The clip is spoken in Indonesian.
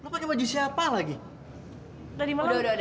waduh siapa ini